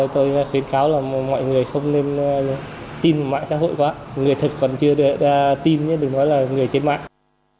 tin mạng xã hội quá người thật còn chưa đưa ra tin nhé đừng nói là người chết mạng